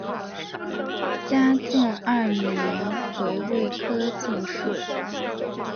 嘉靖二年癸未科进士。